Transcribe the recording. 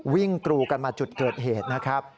กรูกันมาจุดเกิดเหตุนะครับ